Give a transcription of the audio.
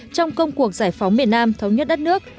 trong công cuộc giải phóng miền nam thống nhất đất nước